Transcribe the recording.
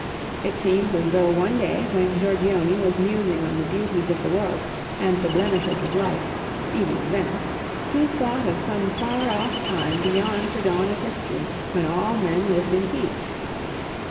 It seems as though one day when Giorgione was musing on the beauties of the world, and the blemishes of life, even life in Venice, he thought of some far off time beyond the dawn of history when all men lived in peace.